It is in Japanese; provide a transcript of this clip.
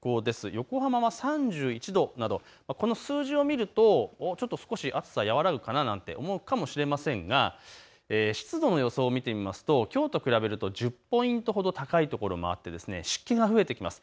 横浜は３１度などこの数字を見ると少し暑さ和らぐかなと思うかもしれませんが湿度の予想を見てみますときょうと比べると１０ポイントほど高いところもあって湿気が増えていきます。